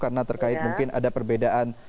karena terkait mungkin ada perbedaan